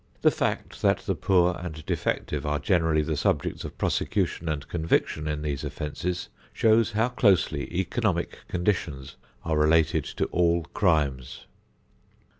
The fact that the poor and defective are generally the subjects of prosecution and conviction in these offences shows how closely economic conditions are related to all crimes.